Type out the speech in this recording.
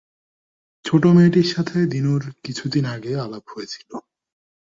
ছোট মেয়েটির সঙ্গে দিনুর কিছু দিন আগে আলাপ হয়েছিল।